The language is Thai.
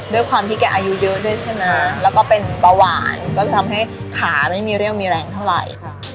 ด้วยความที่แกอายุเยอะด้วยใช่ไหมแล้วก็เป็นเบาหวานก็จะทำให้ขาไม่มีเรี่ยวมีแรงเท่าไหร่